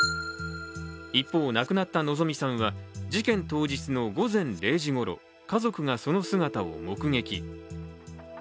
一方、亡くなった希美さんは事件当日の午前０時ごろ、家族がその姿を目撃。